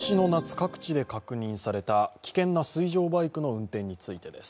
続いては今年の夏、各地で確認された危険な水上バイクの運転についてです。